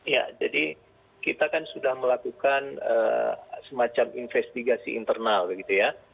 ya jadi kita kan sudah melakukan semacam investigasi internal begitu ya